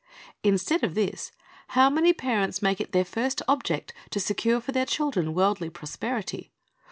Instead of this, how many parents make it their first object to secure for their children worldly prosperity.